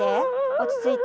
落ち着いて。